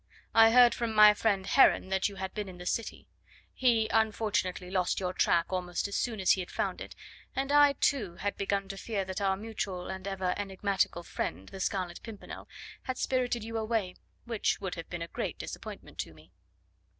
I heard from my friend Heron that you had been in the city; he, unfortunately, lost your track almost as soon as he had found it, and I, too, had begun to fear that our mutual and ever enigmatical friend, the Scarlet Pimpernel, had spirited you away, which would have been a great disappointment to me."